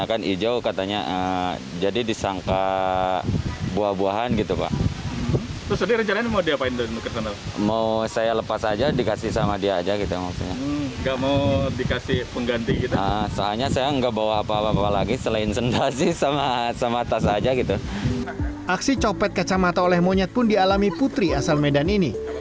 aksi copet kacamata oleh monyet pun dialami putri asal medan ini